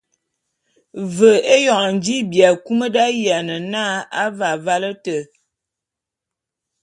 Ve éyoñ a nji bi akum d’ayiane na a ve avale éte.